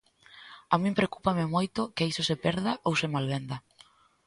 A min preocúpame moito que iso se perda ou se malvenda.